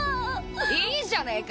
いいじゃねぇか。